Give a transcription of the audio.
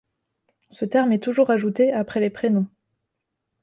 Ce terme est toujours ajouté après les prénoms.